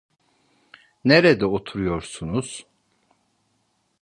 Nerede oturuyorsunuz?